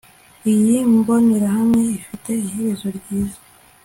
Iyi mbonerahamwe ifite iherezo ryiza